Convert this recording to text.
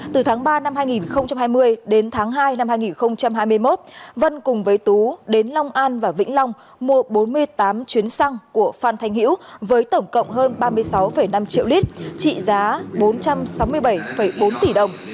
từ tháng ba năm hai nghìn hai mươi đến tháng hai năm hai nghìn hai mươi một vân cùng với tú đến long an và vĩnh long mua bốn mươi tám chuyến xăng của phan thanh hiễu với tổng cộng hơn ba mươi sáu năm triệu lít trị giá bốn trăm sáu mươi bảy bốn tỷ đồng